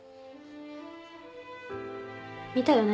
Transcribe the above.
見たよね？